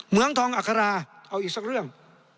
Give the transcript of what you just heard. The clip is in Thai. เมืองทองอัคราเอาอีกสักเรื่อง